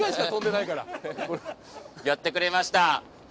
やってくれました